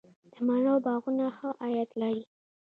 د مڼو باغونه ښه عاید لري؟